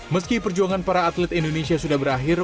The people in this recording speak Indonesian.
meski perjuangan para atlet indonesia sudah berakhir